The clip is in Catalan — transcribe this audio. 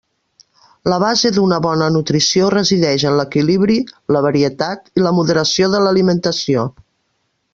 La base d'una bona nutrició resideix en l'equilibri, la varietat i la moderació de l'alimentació.